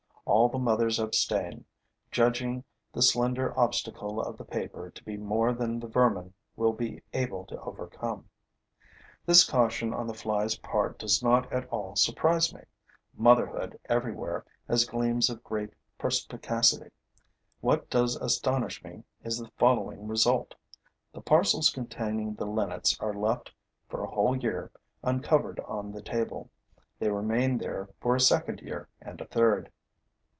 All the mothers abstain, judging the slender obstacle of the paper to be more than the vermin will be able to overcome. This caution on the fly's part does not at all surprise me: motherhood everywhere has gleams of great perspicacity. What does astonish me is the following result. The parcels containing the linnets are left for a whole year uncovered on the table; they remain there for a second year and a third.